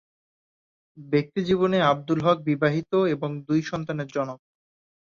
ব্যক্তিজীবনে আব্দুল হক বিবাহিত এবং দুই সন্তানের জনক।